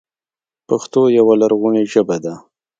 پښتو يوه لرغونې ژبه ده.